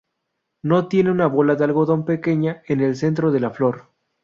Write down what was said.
No tiene una bola de algodón pequeña en el centro de la flor.